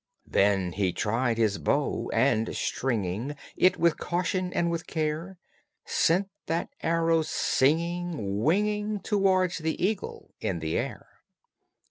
Then he tried his bow, and, stringing It with caution and with care, Sent that arrow singing, winging Towards the eagle in the air.